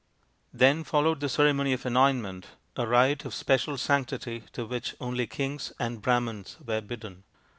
Then followed the ceremony of anointment, a rite of special sanctity to which only kings and Brahmans were bidden.